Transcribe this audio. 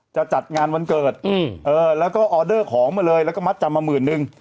จะจัดงานวันเกิดแล้วก็ออเดอร์ของมาเลยแล้วก็มัดจำมาหมื่นนึง